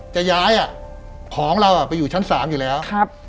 จะย้ายอ่ะของเราอ่ะไปอยู่ชั้นสามอยู่แล้วครับ